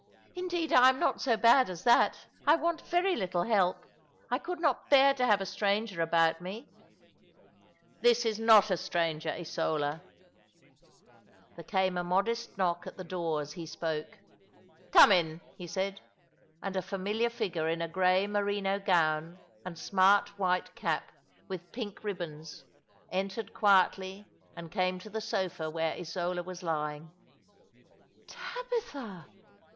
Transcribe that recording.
" Indeed I am not so bad as that. I want very little help. I could not bear to have a stranger about me." " This is not a stranger, Isola." " Deeper than Phimmets sounds 299 There came a modest knock at the door as he spoke. "Come in," he said; and a familiar figure in a grey merino gown and smart white cap with pink ribbons entered quietly and came to the sofa where Isola was lying. "Tabitha!"